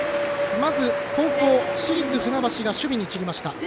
まず後攻、市立船橋が守備に散りました。